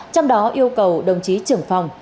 trong đó yêu cầu đồng chí trưởng phòng